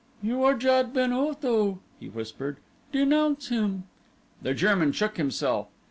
"You are Jad ben Otho," he whispered, "denounce him!" The German shook himself.